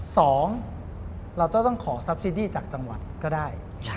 สองเราจะต้องขอซับซีดี้จากจังหวัดก็ได้